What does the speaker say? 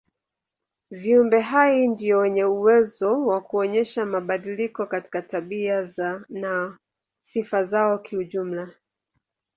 Viumbe hai ndio wenye uwezo wa kuonyesha mabadiliko katika tabia na sifa zao kijumla.